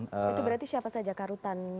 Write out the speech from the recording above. itu berarti siapa saja karutan